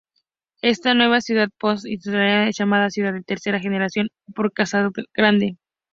Esta "nueva" ciudad post-industrializada es llamada "Ciudad de Tercera Generación" por Casagrande.